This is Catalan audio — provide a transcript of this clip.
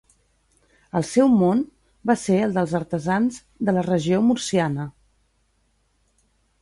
El seu món va ser el dels artesans de la regió murciana.